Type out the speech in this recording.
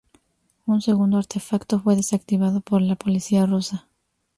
Un segundo artefacto fue desactivado por la policía rusa.